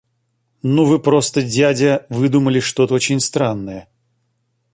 Ну вы просто дядя выдумали что-то очень странное!